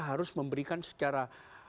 harus memberikan secara